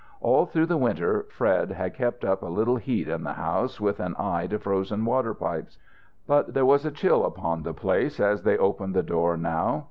All through the winter Fred had kept up a little heat in the house, with an eye to frozen water pipes. But there was a chill upon the place as they opened the door now.